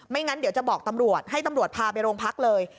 งั้นเดี๋ยวจะบอกตำรวจให้ตำรวจพาไปโรงพักเลย